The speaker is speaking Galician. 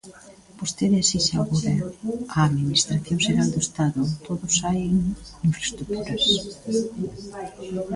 Vostede exixe agora á Administración xeral do Estado todo xa en infraestruturas.